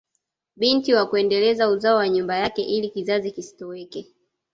Binti wa kuendeleza uzao wa nyumba yake ili kizazi kisitoweke